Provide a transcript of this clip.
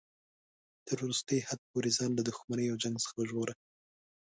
تر وروستي حد پورې ځان له دښمنۍ او جنګ څخه ژغوره.